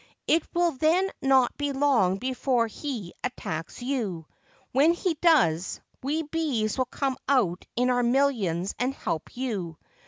It will then not be long before he attacks you. When he does, we bees will come out in our millions and help you.